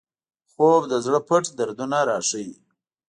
خوب د زړه پټ دردونه راښيي